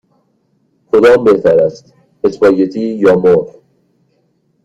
کدام بهتر است: اسپاگتی یا مرغ؟